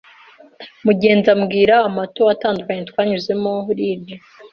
mugenzi, ambwira amato atandukanye twanyuzemo, rig,